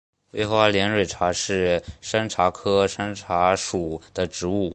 微花连蕊茶是山茶科山茶属的植物。